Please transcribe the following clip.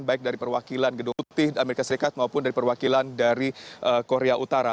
baik dari perwakilan gedung putih amerika serikat maupun dari perwakilan dari korea utara